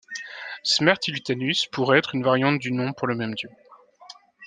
Smertulitanus pourrait être une variante du nom pour le même dieu.